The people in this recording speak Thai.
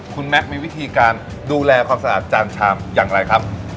คุณแม็กซมีวิธีการดูแลความสะอาดจานชามอย่างไรครับ